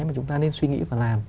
mà chúng ta nên suy nghĩ và làm